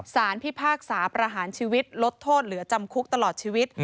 พิพากษาประหารชีวิตลดโทษเหลือจำคุกตลอดชีวิต